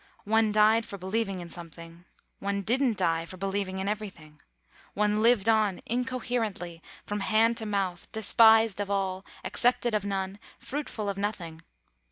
One died for believing in something; one didn't die for believing in everything; one lived on incoherently, from hand to mouth, despised of all, accepted of none, fruitful of nothing.